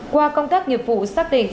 qua công tác nghiệp vụ xác định